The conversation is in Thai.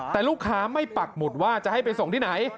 แต่ลูกค้าไม่ปักหมุดว่าจะให้ไปส่งที่ไหน